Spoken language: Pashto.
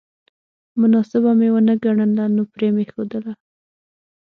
مناسبه مې ونه ګڼله نو پرې مې ښودله